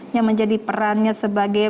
yang menjadi perannya sebagai